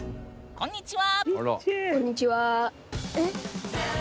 こんにちは。